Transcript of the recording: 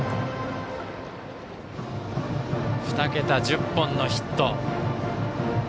２桁１０本のヒット。